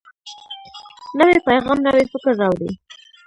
نوی پیغام نوی فکر راوړي